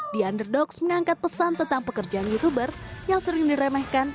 the underdogs mengangkat pesan tentang pekerjaan youtuber yang sering diremehkan